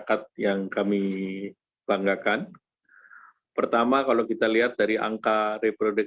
wassalamu'alaikum warahmatullahi wabarakatuh